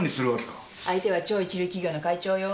相手は超一流企業の会長よ。